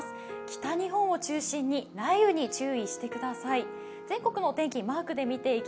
北日本を中心に雷雨に注意してください。